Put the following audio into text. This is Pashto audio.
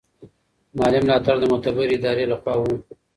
مالي ملاتړ د معتبرې ادارې له خوا و.